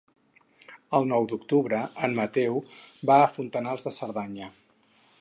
El nou d'octubre en Mateu va a Fontanals de Cerdanya.